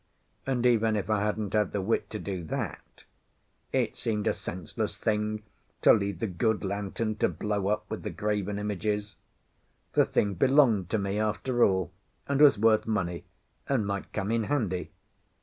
And even if I hadn't had the wit to do that, it seemed a senseless thing to leave the good lantern to blow up with the graven images. The thing belonged to me, after all, and was worth money, and might come in handy.